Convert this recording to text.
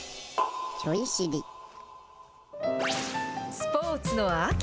スポーツの秋。